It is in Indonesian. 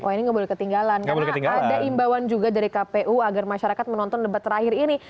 oh ini nggak boleh ketinggalan karena ada imbauan juga dari kpu agar masyarakat menonton debat terakhir ini